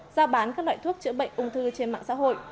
giao bán các loại thuốc chữa bệnh ung thư trên mạng xã hội